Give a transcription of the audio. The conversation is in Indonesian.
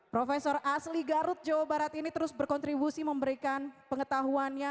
profesor asli garut jawa barat ini terus berkontribusi memberikan pengetahuannya